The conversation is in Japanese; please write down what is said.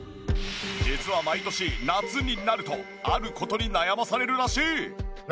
実は毎年夏になるとある事に悩まされるらしい。